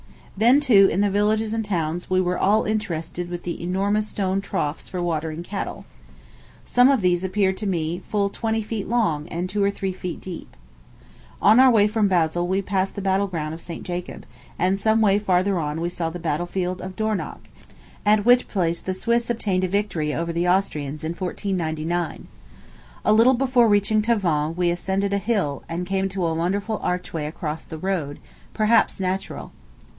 Then, too, in the villages and towns we were all interested with the enormous stone troughs for watering cattle. Some of these appeared to me full twenty feet long, and two or three deep. On our way from Basle we passed the battle ground of St. Jacob; and some way farther on we saw the battle field of Dornach, at which place the Swiss obtained a victory over the Austrians in 1499. A little before reaching Tavannes we ascended a hill, and came to a wonderful archway across the road perhaps natural.